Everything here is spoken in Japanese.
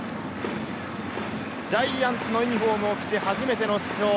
ジャイアンツのユニホームを着て初めての出場。